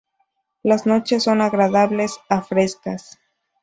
Las noches son agradables a frescas.